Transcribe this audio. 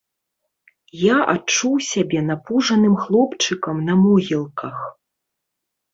Я адчуў сябе напужаным хлопчыкам на могілках.